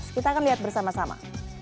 kita akan lihat bersama sama